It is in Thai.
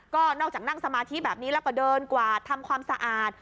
ก็นอกจากนั่งสมาธิแบบนี้แล้วก็เดินกวาดทำความสะอาด